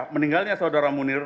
meninggalnya saudara munir